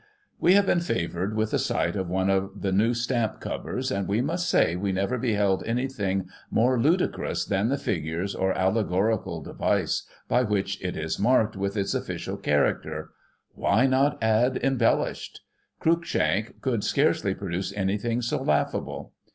— "We have been favoured with a sight of one of the new stamp covers, and we must say we never beheld anything more ludicrous thcin the figures or allegorical device by which it is marked with its official character — why not add embellished 1 Cruickshank could scarcely produce anything so laughable.